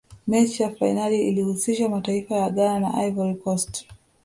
mechi ya fainali ilihusisha mataifa ya ghana na ivory coast